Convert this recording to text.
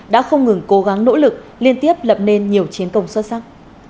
đã không ngừng cố gắng nỗ lực liên tiếp lập nên nhiều chiến công xuất sắc